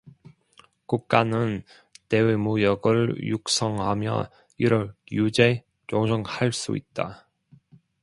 국가는 대외무역을 육성하며, 이를 규제ㆍ조정할 수 있다.